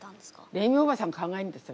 レミおばさんが考えるんですよ